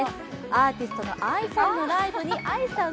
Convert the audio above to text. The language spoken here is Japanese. アーティストのＡＩさんのライブにＡＩさん